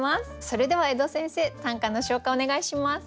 それでは江戸先生短歌の紹介お願いします。